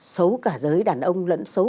xấu cả giới đàn ông lẫn xấu